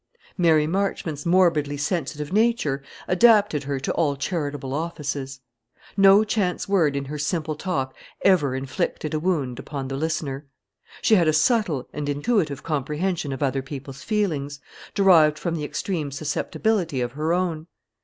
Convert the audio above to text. Mary Marchmont's morbidly sensitive nature adapted her to all charitable offices. No chance word in her simple talk ever inflicted a wound upon the listener. She had a subtle and intuitive comprehension of other people's feelings, derived from the extreme susceptibility of her own.